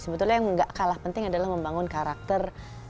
sebetulnya yang gak kalah penting adalah membangun karakter